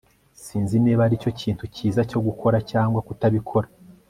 sinzi niba aricyo kintu cyiza cyo gukora cyangwa kutabikora